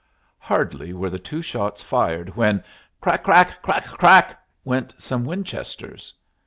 Hardly were the two shots fired when "crack! crack! crack! crack!" went some Winchesters.